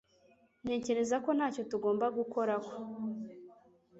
Ntekereza ko ntacyo tugomba gukoraho